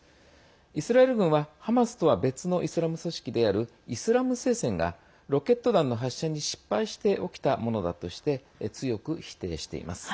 イスラエル軍はハマスとは別のイスラム組織であるイスラム聖戦がロケット弾の発射に失敗して起きたものだとして強く否定しています。